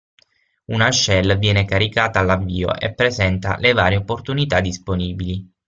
Una shell viene caricata all'avvio e presenta le varie opportunità disponibili.